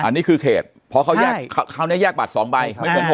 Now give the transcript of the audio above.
อันนี้คือเขตเพราะเขาแยกบัตร๒ใบ